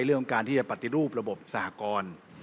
เรื่องการที่จะปฏิรูประบบสหกร